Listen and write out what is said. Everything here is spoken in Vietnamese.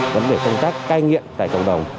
vấn đề công tác cai nghiện tại cộng đồng